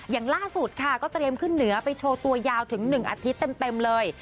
อย่างล่าสุดค่ะก็เตรียมขึ้นเหนือไปโชว์ตัวยาวถึง๑อาทิตย์เต็มเลย